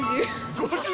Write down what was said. ５０？